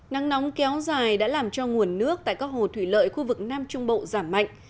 nắng nóng kéo dài đã làm cho nguồn nước tại các hồ thủy lợi khu vực nam trung bộ giảm mạnh